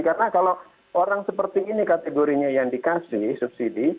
karena kalau orang seperti ini kategorinya yang dikasih subsidi